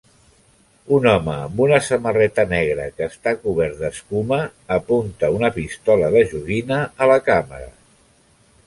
Un home amb una samarreta negra que està cobert d'escuma apunta una pistola de joguina a la càmera.